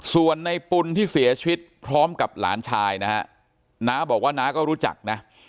ส่วนในปุ่นที่เสียชีวิตพร้อมกับหลานชายนะฮะน้าบอกว่าน้าก็รู้จักนะ